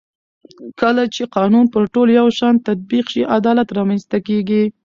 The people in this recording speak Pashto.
کله چې قانون پر ټولو یو شان تطبیق شي عدالت رامنځته کېږي